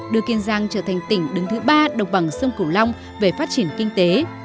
đưa kiên giang trở thành tỉnh đứng thứ ba độc bằng sông cửu long về phát triển kinh tế